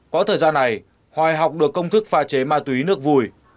quá thời gian này hoài học được công thức pha chế ma túy nước vui